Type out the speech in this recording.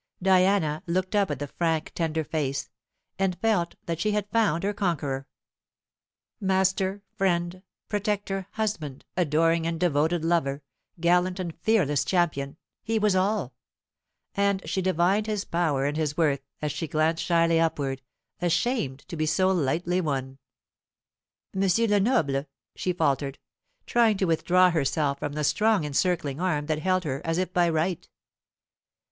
Diana looked up at the frank tender face, and felt that she had found her conqueror. Master, friend, protector, husband, adoring and devoted lover, gallant and fearless champion he was all; and she divined his power and his worth as she glanced shyly upward, ashamed to be so lightly won. "M. Lenoble," she faltered, trying to withdraw herself from the strong encircling arm that held her, as if by right.